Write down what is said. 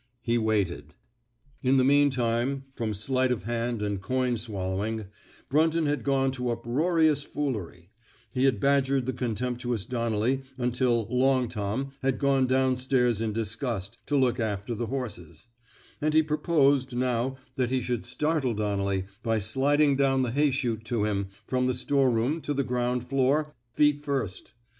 He waited. In the meantime, from sleight of hand and coin swallowing, Brunton had gone to up roarious foolery; he had badgered the con temptuous Donnelly until Long Tom *' had gone down stairs in disgust to look after the horses; and he proposed, now, that he should startle Donnelly by sliding down the hay chute to him, from the storeroom to the ground floor, feet first.